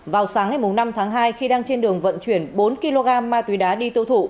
vào sáng ngày năm tháng hai khi đang trên đường vận chuyển bốn kg ma túy đá đi tiêu thụ